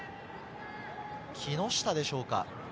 木下でしょうか。